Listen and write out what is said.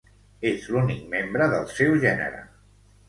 És l'únic membre del seu gènere.